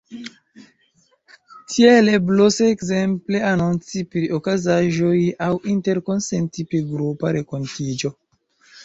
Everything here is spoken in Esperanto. Tiel eblos ekzemple anonci pri okazaĵoj aŭ interkonsenti pri grupa renkontiĝo.